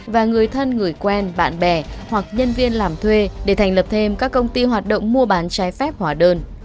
và người thân người quen bạn bè hoặc nhân viên làm thuê để thành lập thêm các công ty hoạt động mua bán trái phép hóa đơn